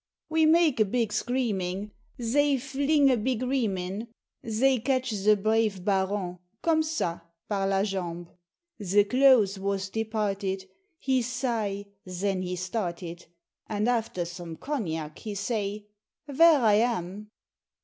We make a big screamin', Zey fling a big reim in Zey catch ze brave Baron comme ça par la jambe Ze clothes vos departed, He sigh, zen he started And after some cognac he say, "Vare I am?"